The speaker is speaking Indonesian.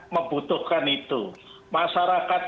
membutuhkan itu masyarakat